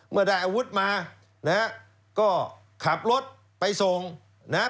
เมื่อได้อาวุธมานะฮะก็ขับรถไปส่งนะฮะ